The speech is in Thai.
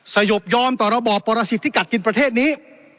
สยบยอมต่อระปปฏิเสธที่กัดกินประเทศนี้